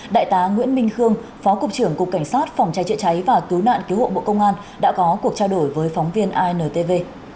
đại tá nguyễn minh khương phó cục trưởng cục cảnh sát phòng cháy chữa cháy và cứu nạn cứu hộ bộ công an đã có cuộc trao đổi với phóng viên intv